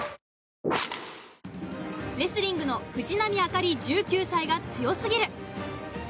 レスリングの藤波朱理、１９歳が強すぎる。